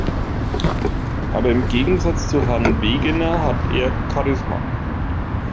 Aber im Gegensatz zu Herrn Wegener hat er Charisma.